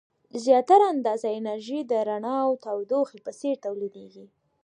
زیاتره اندازه انرژي د رڼا او تودوخې په څیر تولیدیږي.